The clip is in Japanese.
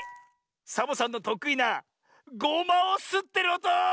サボさんのとくいなゴマをすってるおと！